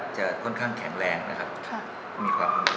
จะค่อนข้างแข็งแรงมีความรู้สึก